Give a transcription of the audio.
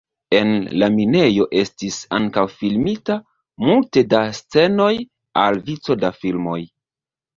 En la minejo estis ankaŭ filmita multe da scenoj al vico da filmoj.